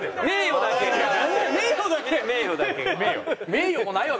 名誉もないわ！